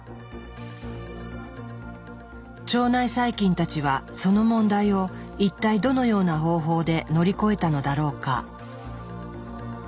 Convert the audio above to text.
腸内細菌たちはその問題を一体どのような方法で乗り越えたのだろうか？